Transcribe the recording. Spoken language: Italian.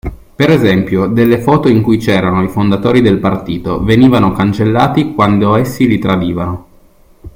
Per esempio delle foto in cui c'erano i fondatori del partito venivano cancellati quando essi li tradivano.